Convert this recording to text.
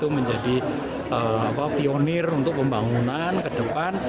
menjadi pionir untuk pembangunan ke depan